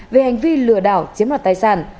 về hành vi lừa đảo chiếm đoạt tài sản